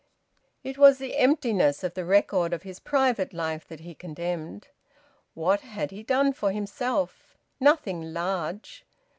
It was the emptiness of the record of his private life that he condemned. What had he done for himself? Nothing large!